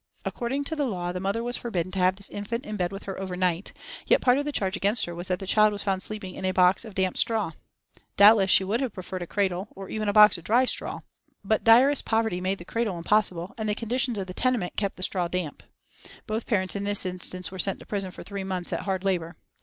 According to the law the mother was forbidden to have this infant in bed with her overnight, yet part of the charge against her was that the child was found sleeping in a box of damp straw. Doubtless she would have preferred a cradle, or even a box of dry straw. But direst poverty made the cradle impossible and the conditions of the tenement kept the straw damp. Both parents in this instance were sent to prison for three months at hard labour.